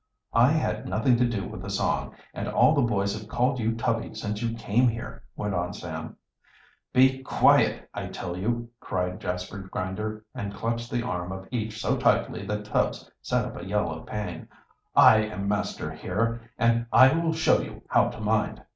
"I had nothing to do with the song, and all the boys have called you Tubby since you came here," went on Sam. "Be quiet, I tell you!" cried Jasper Grinder, and clutched the arm of each so tightly that Tubbs set up a yell of pain. "I am master here, and I will show you how to mind."